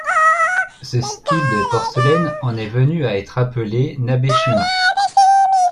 Ce style de porcelaine en est venu à être appelé Nabeshima.